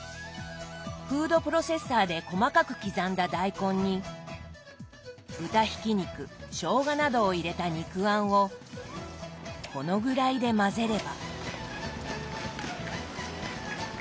フードプロセッサーで細かく刻んだ大根に豚ひき肉しょうがなどを入れた肉餡をこのぐらいで混ぜれば。